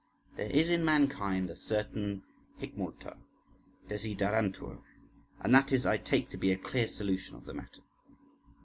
There is in mankind a certain ... Hic multa ... desiderantur. .. and this I take to be a clear solution of the matter.